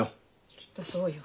きっとそうよ。